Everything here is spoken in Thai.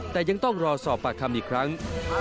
แต่ยังต้องรอสอบปากคำอีกครั้ง